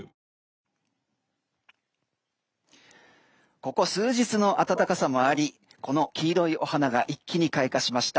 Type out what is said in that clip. ここ数日の暖かさもありこの黄色いお花が一気に開花しました。